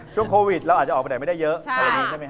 ช่วงโควิดเราอาจจะออกไปได้ไม่ได้เยอะ